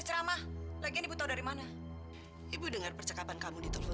sampai jumpa di video selanjutnya